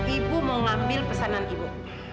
ibu mau ngambil pesanan ibu